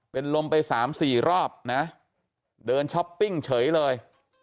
เป็นลมไป๓๔รอบนะเดินช้อปปิ้งเฉยเลย